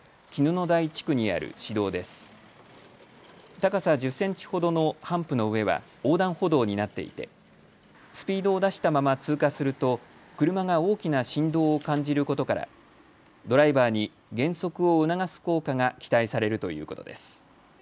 高さ１０センチほどのハンプの上は横断歩道になっていてスピードを出したまま通過すると車が大きな振動を感じることからドライバーに減速を促す効果が期待されるということです。